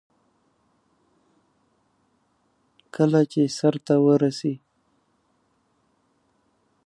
زه وايم شلومبې دي وي تروې دي وي